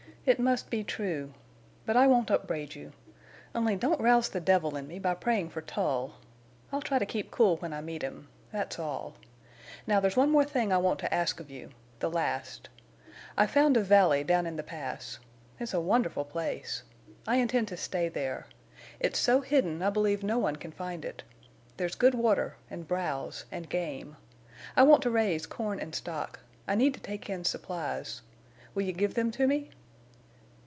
"It must be true. But I won't upbraid you. Only don't rouse the devil in me by praying for Tull! I'll try to keep cool when I meet him. That's all. Now there's one more thing I want to ask of you—the last. I've found a valley down in the Pass. It's a wonderful place. I intend to stay there. It's so hidden I believe no one can find it. There's good water, and browse, and game. I want to raise corn and stock. I need to take in supplies. Will you give them to me?"